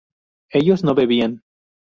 ellos no bebían